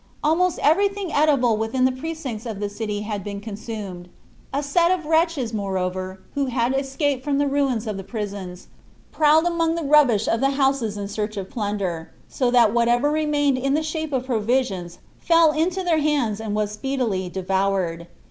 Almost everything eatable within the precincts of the city had been consumed. A set of wretches, morever, who had escaped from the ruins of the prisons, prowled among the rubbish of the houses in search of plunder, so that whatever remained in the shape of provisions fell into their hands and was speedily devoured.